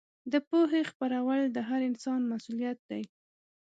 د پوهې خپرول د هر انسان مسوولیت دی.